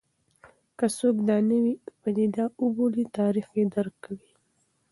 که څوک دا نوې پدیده وبولي، تاریخ یې رد کوي.